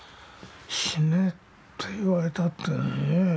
死ねって言われたってねえ。